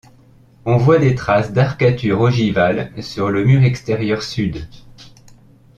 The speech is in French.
On voit des traces d'arcatures ogivales sur le mur extérieur sud.